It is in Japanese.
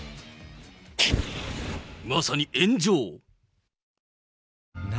まさに炎上。